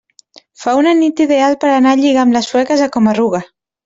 Fa una nit ideal per anar a lligar amb les sueques a Coma-ruga.